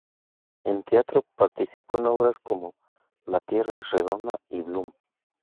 En teatro, participó en obras como "La tierra es redonda" y "Blum".